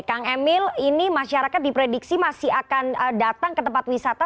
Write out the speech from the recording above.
kang emil ini masyarakat diprediksi masih akan datang ke tempat wisata